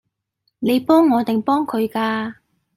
你幫我定幫佢㗎？